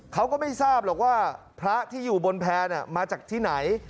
เขาก็ไม่ทราบหรอกว่าพระที่อยู่บนแพร่มาจากที่ไหน